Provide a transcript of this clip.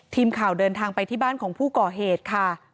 ทีมข่าวเดินทางไปที่บ้านของผู้ก่อเหตุค่ะ